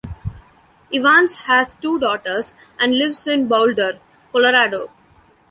Evans has two daughters, and lives in Boulder, Colorado.